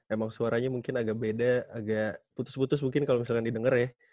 emang suaranya mungkin agak beda agak putus putus mungkin kalau misalnya didengar ya